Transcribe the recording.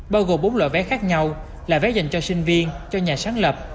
bao gồm bốn loại vé khác nhau là vé dành cho sinh viên cho nhà sáng lập